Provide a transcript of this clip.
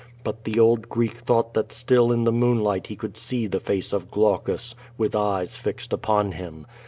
But the old Greek thought that still in the^moonlight he could see the face of Glaucus, with eyes fixed lipon him.